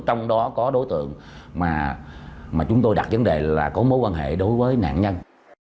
trong đó có đối tượng mà chúng tôi đặt vấn đề là có mối quan hệ đối với nạn nhân